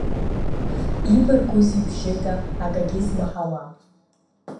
Ибаргузеи бжьыда акагьы змаҳауа!